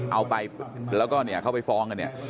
เอาไปแล้วก็เข้าไปฟ้องกัน